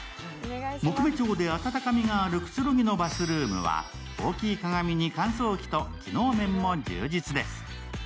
木目調で温かみのあるくつろぎのバスルームには大きい鏡に乾燥機と機能面も充実です。